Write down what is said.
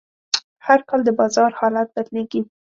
هر کال د بازار حالت بدلېږي.